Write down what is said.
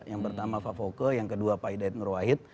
yang pertama pak fouke yang kedua pak idahid nurwahid